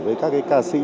với các ca sĩ